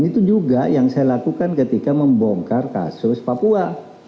itu juga yang saya lakukan ketika membongkar kasus papua